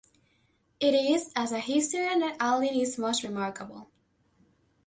It is as a historian that Alin is most remarkable.